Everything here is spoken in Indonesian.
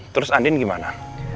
terus andin gimana